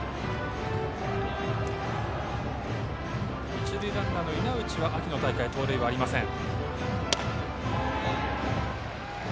一塁ランナーの稲内は秋の大会盗塁はありません。